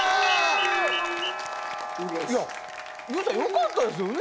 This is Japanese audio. いやＹＯＵさんよかったですよね？